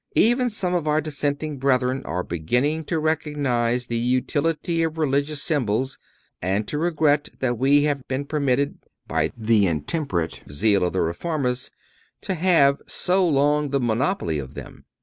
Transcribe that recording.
Even some of our dissenting brethren are beginning to recognize the utility of religious symbols and to regret that we have been permitted, by the intemperate zeal of the Reformers, to have so long the monopoly of them.